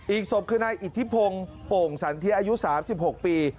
อีกศพคือนายอิทธิพงศ์โป่งสันเทียอายุ๓๖ปี